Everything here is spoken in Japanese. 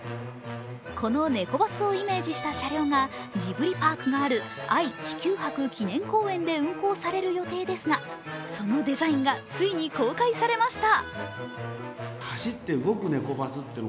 このネコバスをイメージした車両がジブリパークがある愛・地球博記念公園で運行される予定ですが、そのデザインがついに公開されました。